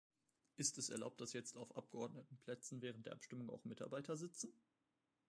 Ist es erlaubt, dass jetzt auf Abgeordnetenplätzen während der Abstimmung auch Mitarbeiter sitzen?